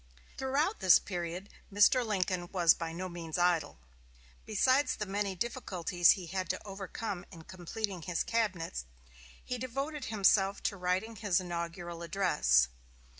Throughout this period Mr. Lincoln was by no means idle. Besides the many difficulties he had to overcome in completing his cabinet, he devoted himself to writing his inaugural address.